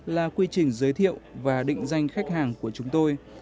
là quy trình giới thiệu và định danh khách hàng của chúng tôi